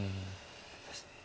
そして